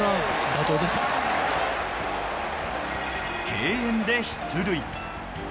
敬遠で出塁。